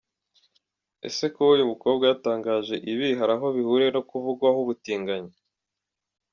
Ese kuba uyu mukobwa yatangaje ibi hari aho bihuriye no kuvugwaho ubutinganyi?.